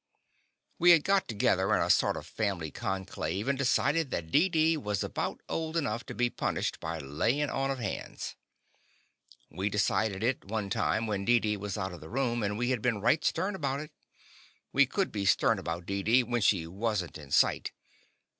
We had got together in a sort of family conclave and decided that Deedee was about old enough to be punished by layin' on of hands. We decided it one time when Deedee was out of the room, and we had been right stern about it. We could be stem about Deedee when she was n't in sight.